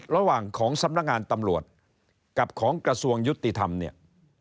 ระหว่างของสำนักงานตำรวจกับของกระทรวงยุติธรรมเนี่ย